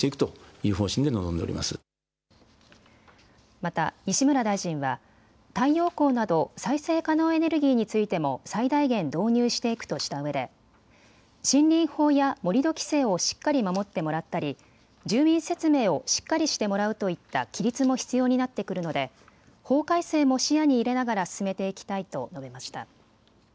また西村大臣は太陽光など再生可能エネルギーについても最大限導入していくとしたうえで森林法や盛り土規制をしっかり守ってもらったり住民説明をしっかりしてもらうといった規律も必要になってくるので法改正も視野に入れながら進めていきたいと述べました。